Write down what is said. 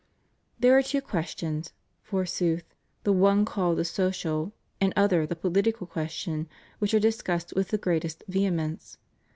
There are two questions, forsooth — the one called the social, and other the political question — ^which are discussed with the greatest vehemence.